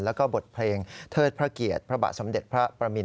แล้วก็บทเพลงเทิดพระเกียรติพระบาทสมเด็จพระประมิน